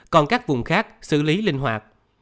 còn các vùng khác xử lý linh hoạt